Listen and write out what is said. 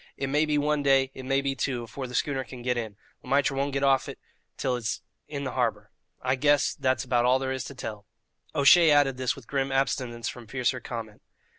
It may be one day, it may be two, afore the schooner can get in. Le Maître he won't get off it till it's in th' harbour. I guess that's about all there is to tell." O'Shea added this with grim abstinence from fiercer comment.